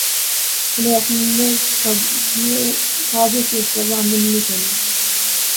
انہیں اپنے کیے کی سزا ملنی چاہیے۔